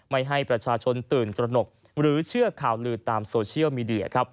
ไม่ให้ประชาชนตื่นตระหนกหรือเชื่อข่าวลือตามโซเชียลมีเดีย